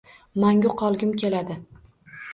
Mangu qolgum keladi.